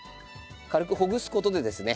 軽くほぐすことでですね